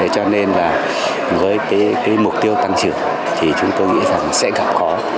cho nên là với cái mục tiêu tăng trưởng thì chúng tôi nghĩ rằng sẽ gặp khó